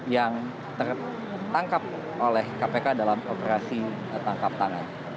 yang tertangkap oleh kpk dalam operasi tangkap tangan